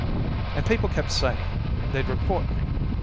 And people kept saying they'd report me.